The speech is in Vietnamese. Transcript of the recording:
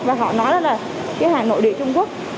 và họ nói đó là cái hàng nội địa trung quốc